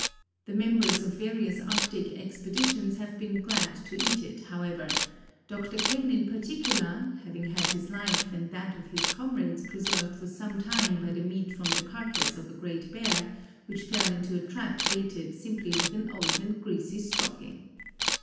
The members of various arctic expeditions have been glad to eat it, however, Dr. Kane in particular, having had his life and that of his comrades preserved for some time by the meat from the carcass of a great bear, which fell into a trap baited simply with an old and greasy stocking.